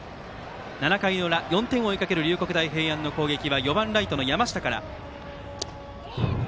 ７回の裏、４点を追いかける龍谷大平安の攻撃は４番ライトの山下から。